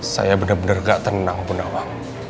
saya bener bener gak tenang bu nawang